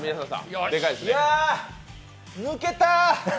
いやぁ、抜けた！